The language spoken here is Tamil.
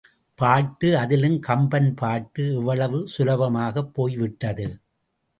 பாட்டு அதிலும் கம்பன் பாட்டு எவ்வளவு சுலபமாகப் போய்விட்டது.